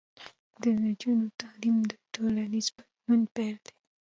د نجونو تعلیم د ټولنیز بدلون پیل دی.